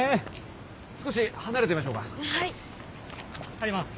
入ります。